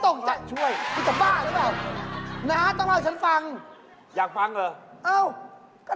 ลองมาเริ่มใจแข่งขันกันกันเลยดีกว่าข้อแรกค่ะ